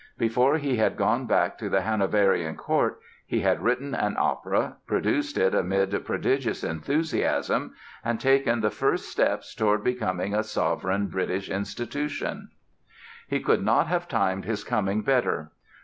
Before he had gone back to the Hanoverian Court he had written an opera, produced it amid prodigious enthusiasm and taken the first steps toward becoming a sovereign British institution. He could not have timed his coming better.